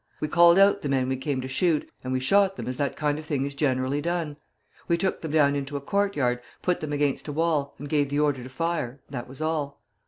We called out the men we came to shoot, and we shot them as that kind of thing is generally done. We took them down into a courtyard, put them against a wall, and gave the order to fire; that was all.'